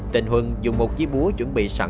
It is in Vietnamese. tình huân dùng một dí búa chuẩn bị sẵn từ trước